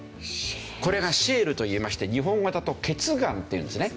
これがシェールといいまして日本語だと頁岩っていうんですね。